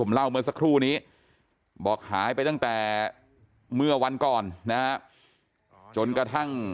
เมื่อสักครู่นี้บอกหายไปตั้งแต่เมื่อวันก่อนนะฮะจนกระทั่ง